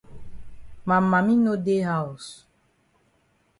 Ma mami no dey haus.